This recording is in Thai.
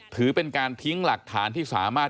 ถือเป็นการทิ้งหลักฐานที่สามารถ